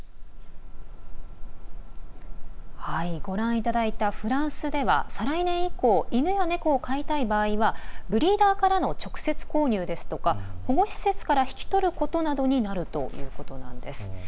ご覧いただいたフランスでは再来年以降犬や猫を飼いたい場合はブリーダーからの直接購入ですとか保護施設から引き取ることなどになるということなんです。